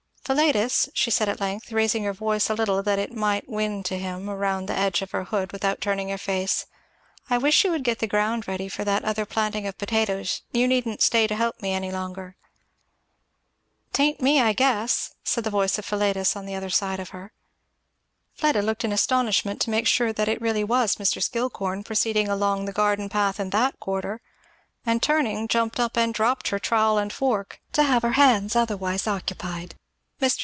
"Philetus," she said at length, raising her voice a little that it might win to him round the edge of her hood without turning her face, "I wish you would get the ground ready for that other planting of potatoes you needn't stay to help me any longer." "'Tain't me, I guess," said the voice of Philetus on the other side of her. Fleda looked in astonishment to make sure that it really was Mr. Skillcorn proceeding along the garden path in that quarter, and turning jumped up and dropped her trowel and fork, to have her hands otherwise occupied. Mr.